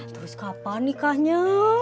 terus kapan nikahnya